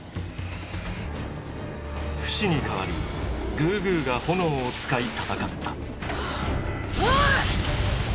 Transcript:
フシに代わりグーグーが炎を使い戦った。